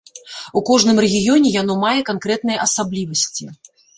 У кожным рэгіёне яно мае канкрэтныя асаблівасці.